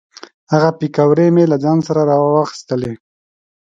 هغه پیکورې مې له ځان سره را واخیستلې.